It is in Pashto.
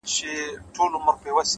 ارزښتونه انسان ثابت ساتي،